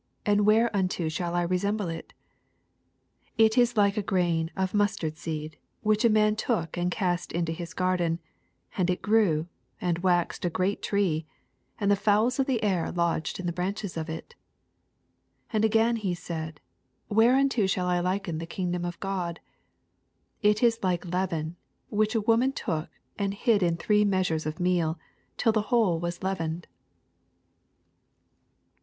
and whereunto Bhall I resemble it t 19 It ifi like a grtdn of mustard seed, which a man t(X)k, and cast into his^ garden ; and it CTew, and waxed a great tree ; and uie fowls of the air lodged in the branches of it. 20 And agwn he said, WheTeim*« shall I liken the kingdom of God t 21 It is like leaven, which a womao took and hid in three measures of meal, till the whole was leavened.